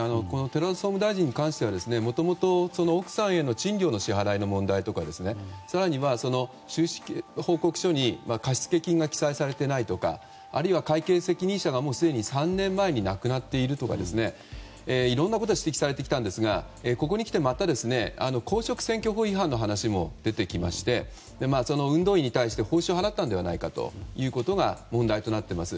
寺田総務大臣に関してはもともと奥さんへの賃料の支払いの問題や更には、収支報告書に貸付金が記載されていないとかあるいは会計責任者がもうすでに３年前に亡くなっているとかいろんなことを指摘されてきたんですがここに来てまた公職選挙法違反の話も出てきまして運動員に対して報酬を払ったのではないかというのが問題となっています。